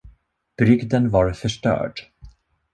Brygden var förstörd.